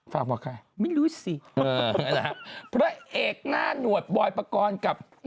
ฝากบอกใคร